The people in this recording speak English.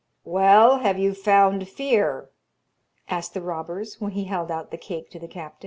'Well, have you found fear?' asked the robbers when he held out the cake to the captain.